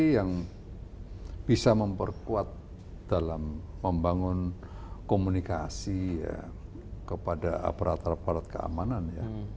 yang bisa memperkuat dalam membangun komunikasi kepada aparat aparat keamanan ya